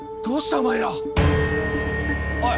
お前ら。おい！